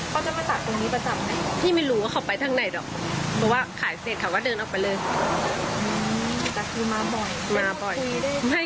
เข้ามารู้อีกทีว่าเราเจอแกเนี่ยวันสุดท้ายที่แกกลับ